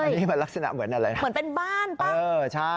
ไหนมันลักษณะเหมือนอะไรเป็นบ้านเปล่า